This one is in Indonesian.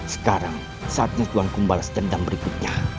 sekarang saatnya tuhan ku balas dendam berikutnya